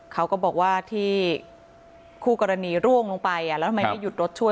เขาก็บอกว่าที่คู่กรณีร่วงลงไปแล้วทำไมไม่หยุดรถช่วย